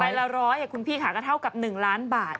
ละร้อยคุณพี่ค่ะก็เท่ากับ๑ล้านบาท